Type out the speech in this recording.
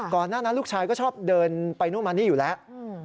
หน้านั้นลูกชายก็ชอบเดินไปนู่นมานี่อยู่แล้ว